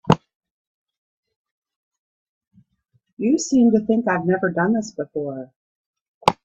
You seem to think I've never done this before.